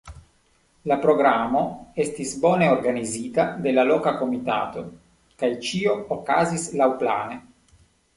La programo estis bone organizita de la loka komitato, kaj ĉio okazis laŭplane.